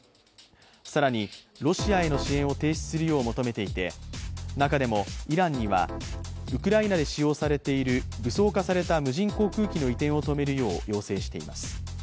更に、ロシアへの支援を停止するよう求めていて中でもイランにはウクライナで使用されている武装化された無人航空機の移転を止めるよう要請しています。